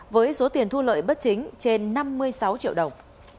với số tiền thu lợi bất chính trên năm mươi sáu triệu đồng